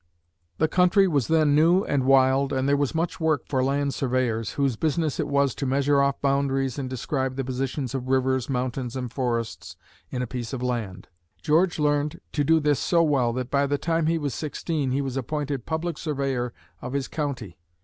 The country was then new and wild and there was much work for land surveyors, whose business it was to measure off boundaries and describe the positions of rivers, mountains and forests in a piece of land. George learned to do this so well that by the time he was sixteen, he was appointed public surveyor of his county.